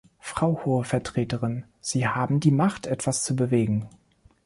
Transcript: Frau Hohe Vertreterin, Sie haben die Macht, etwas zu bewegen.